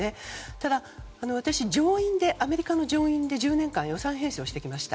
ただ、私はアメリカの上院で１０年間予算編成をしてきました。